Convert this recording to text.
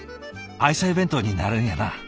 「愛妻弁当になるんやな。